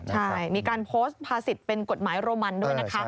ใช่มีการโพสต์ภาษิตเป็นกฎหมายโรมันด้วยนะคะ